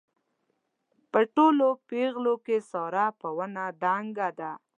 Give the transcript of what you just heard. په ټولو پېغلو کې ساره په ونه دنګه ده.